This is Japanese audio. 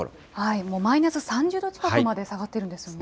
もうマイナス３０度近くまで下がってるんですよね。